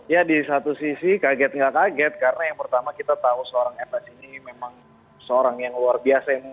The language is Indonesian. ya di satu sisi kaget nggak kaget karena yang pertama kita tahu seorang ms ini memang seorang yang luar biasa